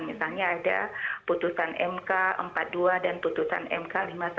misalnya ada putusan mk empat puluh dua dan putusan mk lima puluh satu